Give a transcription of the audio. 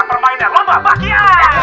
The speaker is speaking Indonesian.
permainan lomba bakia